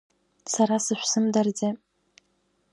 Сара сышәзымдырӡеи?